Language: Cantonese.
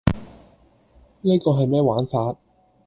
呢個係咩玩法?